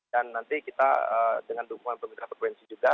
dan nanti kita dengan dukungan pemerintah provinsi juga